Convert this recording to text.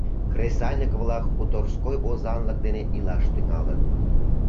Кресаньык-влак хуторской озанлык дене илаш тӱҥалыт.